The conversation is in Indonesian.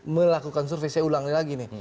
melakukan survei saya ulangi lagi nih